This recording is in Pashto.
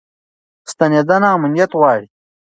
ستنېدنه امنیت غواړي.